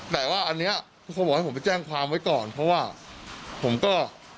แต่ว่าอันนี้ทุกคนบอกให้ผมไปแจ้งความไว้ก่อนเพราะว่าผมก็